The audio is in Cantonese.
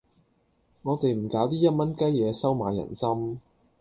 我哋唔搞啲一蚊雞嘢收買人心